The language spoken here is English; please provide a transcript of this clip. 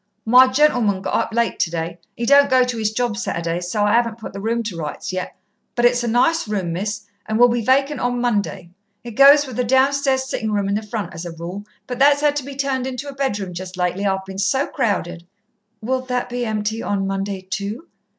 "My gentleman got up late today he don't go to 'is job Saturdays, so I 'aven't put the room to rights yet. But it's a nice room, Miss, and will be vacant on Monday. It goes with the downstairs sitting room in the front, as a rule, but that's 'ad to be turned into a bedroom just lately. I've been so crowded." "Will that be empty on Monday, too?"